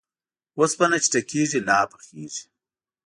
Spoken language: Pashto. اوسپنه چې ټکېږي ، لا پخېږي.